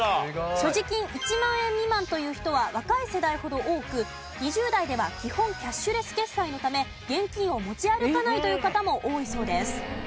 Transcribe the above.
所持金１万円未満という人は若い世代ほど多く２０代では基本キャッシュレス決済のため現金を持ち歩かないという方も多いそうです。